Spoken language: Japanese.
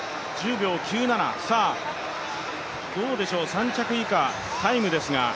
３着以降、タイムですが。